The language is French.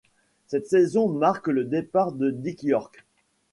Cette saison marque le départ de Dick York.